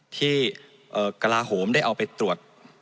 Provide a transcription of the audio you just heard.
ที่กระลาโหมได้เอาไปตรวจ